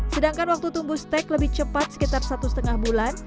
sedangkan waktu tumbuh stek lebih cepat sekitar satu lima bulan